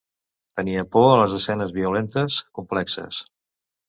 Tenia por a les escenes violentes, complexes.